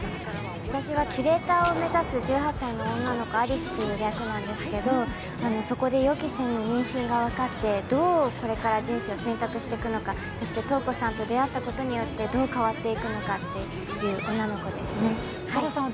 私はキュレーターを目指す１８歳の女の子、有栖という役なんですが、そこで予期せぬ妊娠が分かってどうこれから人生を選択していくのか、そして瞳子さんと出会ったことによって、どう変わっていくのかという女の子ですね。